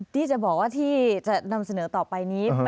ที่จะบอกว่าที่จะนำเสนอต่อไปนี้